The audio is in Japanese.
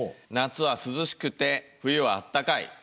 夏は涼しくて冬はあったかい。